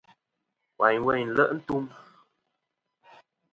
Wayn weyn nle' ntum.